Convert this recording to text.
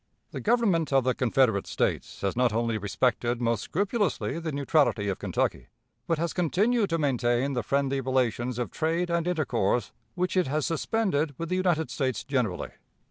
"The Government of the Confederate States has not only respected most scrupulously the neutrality of Kentucky, but has continued to maintain the friendly relations of trade and intercourse which it has suspended with the United States generally.